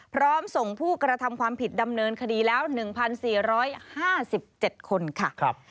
พร้อมส่งผู้กระทำความผิดดำเนินคดีแล้ว๑๔๕๗คนค่ะ